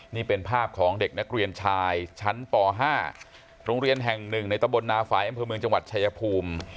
นี่เป็นภาพของเด็กนักเรียนชายชั้นป๕โรงเรียนแห่งหนึ่งในตะบลนาฝ่ายอำเภอเมืองจังหวัดชายภูมิ